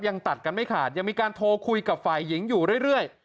ยังตัดกันไม่ขาดยังมีการโทรคุยกับฝ่ายหญิงอยู่เรื่อย